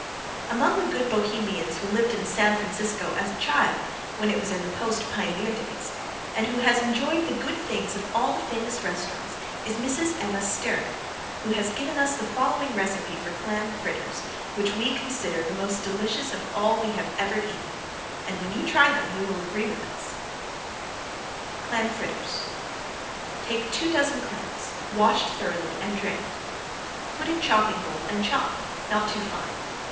Among the good Bohemians who lived in San Francisco as a child when it was in the post pioneer days, and who has enjoyed the good things of all the famous restaurants is Mrs. Emma Sterett, who has given us the following recipe for clam fritters which we consider the most delicious of all we have ever eaten, and when you try them you will agree with us: Clam Fritters Take two dozen clams, washed thoroughly and drained. Put in chopping bowl and chop, not too fine.